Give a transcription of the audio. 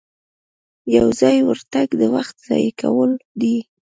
یو ځایي ورتګ د وخت ضایع کول دي.